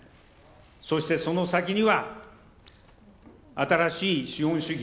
そして、その先には新しい資本主義。